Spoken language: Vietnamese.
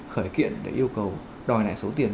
khởi kiện để yêu cầu đòi lại số tiền